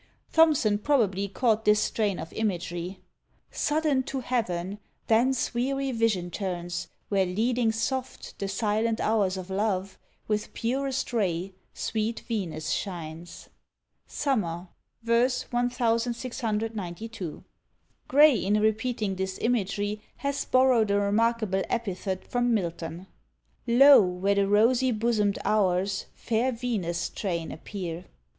Thomson probably caught this strain of imagery: Sudden to heaven Thence weary vision turns, where leading soft The silent hours of love, with purest ray Sweet Venus shines. Summer, v. 1692. Gray, in repeating this imagery, has borrowed a remarkable epithet from Milton: Lo, where the rosy bosom'd hours, Fair Venus' train, appear.